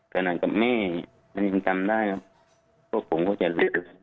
ขนาดกับแม่มันยังทำได้ครับ